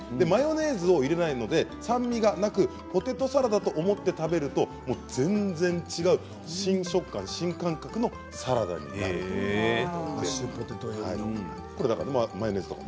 マヨネーズを入れないので酸味がなくポテトサラダと思って食べると、全然違う新食感新感覚のサラダになるということです。